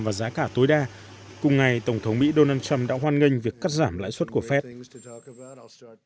và giá cả tối đa cùng ngày tổng thống mỹ donald trump đã hoan nghênh việc cắt giảm lãi suất của fed